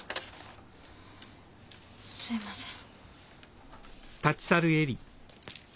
すいません。